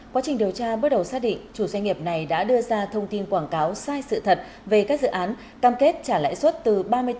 quá trình điều tra bước đầu xác định chủ doanh nghiệp này đã đưa ra thông tin quảng cáo sai sự thật về các dự án cam kết trả lãi suất từ ba mươi bốn bốn mươi sáu